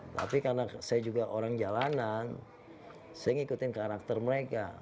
tapi karena saya juga orang jalanan saya mengikuti karakter mereka